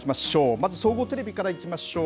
まず総合テレビからいきましょう。